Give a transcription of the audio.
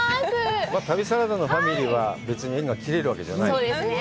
旅サラダのファミリーは、別に今、縁が切れるわけじゃない。